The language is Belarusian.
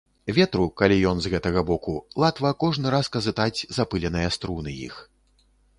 Ветру, калі ён з гэтага боку, латва кожны раз казытаць запыленыя струны іх.